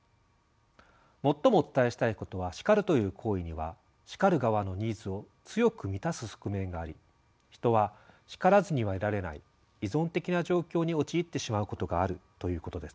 最もお伝えしたいことは「叱る」という行為には叱る側のニーズを強く満たす側面があり人は叱らずにはいられない依存的な状況に陥ってしまうことがあるということです。